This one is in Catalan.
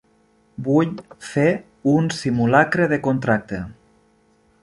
Vull fer un simulacre de contracte.